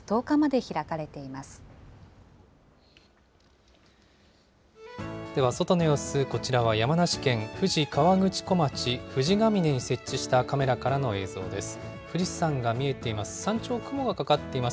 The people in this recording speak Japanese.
では外の様子、こちらは山梨県富士河口湖町ふじがみねに設置したカメラからの映像です。